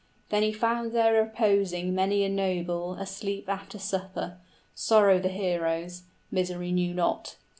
Then he found there reposing many a noble 5 Asleep after supper; sorrow the heroes, Misery knew not.